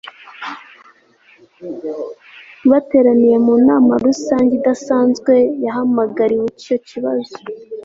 bateraniye mu nama rusange idasanzwe yahamagariwe icyo kibazo